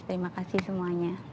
terima kasih semuanya